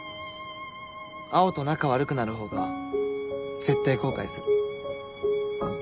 青と仲悪くなる方が絶対後悔する。